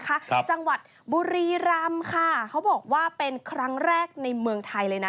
จังหวัดบุรีรำค่ะเขาบอกว่าเป็นครั้งแรกในเมืองไทยเลยนะ